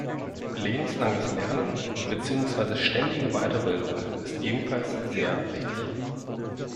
Lebenslanges Lernen beziehungsweise ständige Weiterbildung ist ebenfalls sehr wichtig.